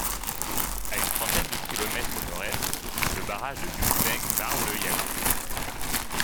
À une trentaine de kilomètres au nord-est, le barrage de Yunfeng barre le Yalou.